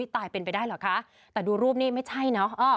ตายเป็นไปได้เหรอคะแต่ดูรูปนี้ไม่ใช่เนอะ